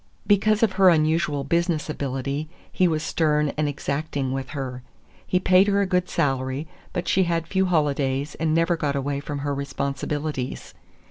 Because of her unusual business ability, he was stern and exacting with her. He paid her a good salary, but she had few holidays and never got away from her responsibilities.